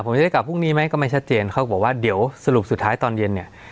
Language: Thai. ผมจะได้กลับพรุ่งนี้ไหมก็ไม่ชัดเจนเขาก็บอกว่าเดี๋ยวสรุปสุดท้ายตอนเย็นเนี่ย